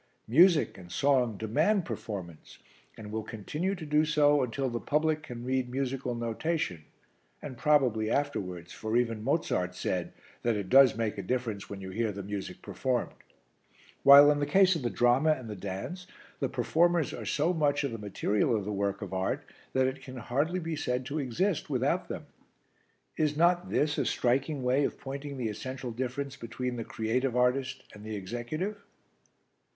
Music and song demand performance, and will continue to do so until the public can read musical notation, and probably afterwards, for even Mozart said that it does make a difference when you hear the music performed; while in the case of the drama and the dance the performers are so much part of the material of the work of art that it can hardly be said to exist without them. Is not this a striking way of pointing the essential difference between the creative artist and the executive?"